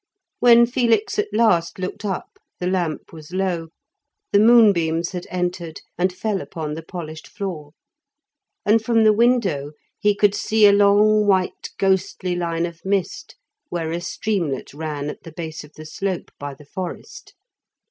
When Felix at last looked up, the lamp was low, the moonbeams had entered and fell upon the polished floor, and from the window he could see a long white ghostly line of mist where a streamlet ran at the base of the slope by the forest.